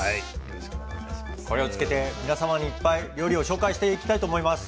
これをつけて皆様にいっぱい料理を紹介していきたいと思います。